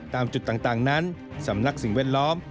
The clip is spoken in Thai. ตามจุดต่างนั้นสำนักสิ่งแวดล้อม